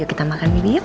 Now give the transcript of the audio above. yuk kita makan nwi yuk